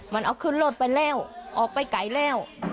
มันเอาขึ้นรถไปแล้วออกไปไกลแล้ว